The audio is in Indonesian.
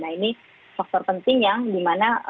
nah ini faktor penting yang dimana